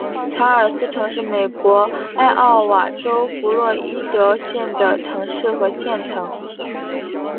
查尔斯城是美国艾奥瓦州弗洛伊德县的城市和县城。